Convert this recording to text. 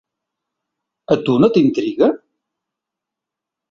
A tu no t’intriga?